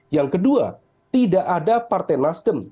yang kedua tidak ada partai nasdem